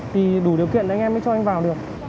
thì đủ điều kiện anh em mới cho anh vào được